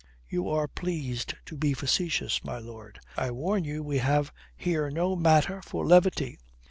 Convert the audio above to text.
"You are pleased to be facetious, my lord. I warn you we have here no matter for levity.